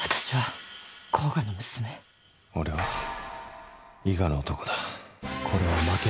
俺は、伊賀の男だ。